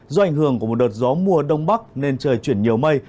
do ảnh hưởng của một đợt gió mùa đông bắc nên trời chuyển nhiều mây